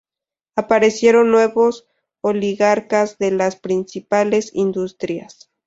Aparecieron nuevos oligarcas de las principales industrias.